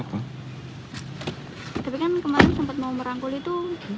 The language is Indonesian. tapi kan kemarin sempat mau merangkul itu